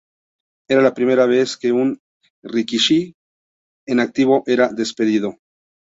Era la primera vez que un "rikishi" en activo era despedido.